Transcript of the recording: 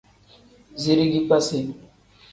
Zirigi kpasi.